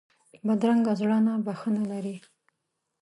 بدرنګه زړه نه بښنه لري